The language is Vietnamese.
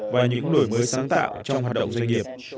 và những đổi mới sáng tạo trong hoạt động doanh nghiệp